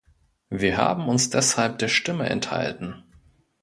Wir haben uns deshalb der Stimme enthalten.